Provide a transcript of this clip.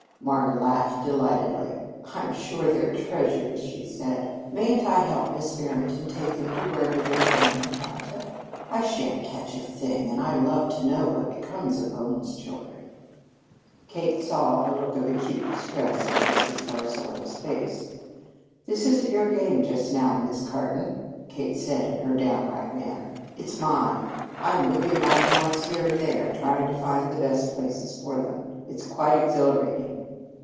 Marna laughed delightedly. "I'm sure they're treasures," she said. "Mayn't I help Miss Barrington take them to wherever they're going, tante? I shan't catch a thing, and I love to know what becomes of homeless children." Kate saw a look of acute distress on Mrs. Barsaloux's face. "This isn't your game just now, Miss Cartan," Kate said in her downright manner. "It's mine. I'm moving my pawns here and there, trying to find the best places for them. It's quite exhilarating."